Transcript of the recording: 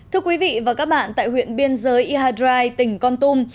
thưa quý vị và các bạn tại huyện biên giới iadrai tỉnh con tum